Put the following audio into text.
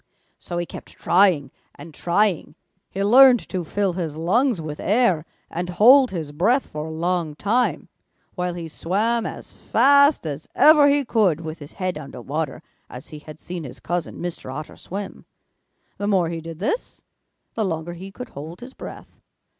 So he kept trying and trying. He learned to fill his lungs with air and hold his breath for a long time, while he swam as fast as ever he could with his head under water as he had seen his cousin, Mr. Otter, swim. The more he did this, the longer he could hold his breath.